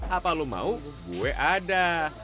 apa lu mau gue ada